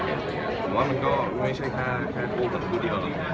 ผมว่ามันก็ไม่ใช่แค่คู่กับคู่เดียว